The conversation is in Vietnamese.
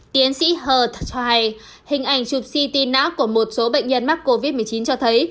tiến sĩ hờ cho hay hình ảnh chụp ct nãp của một số bệnh nhân mắc covid một mươi chín cho thấy